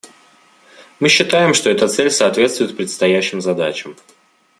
Мы считаем, что эта цель соответствует предстоящим задачам.